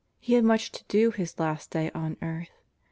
He had much to do his last day on earth.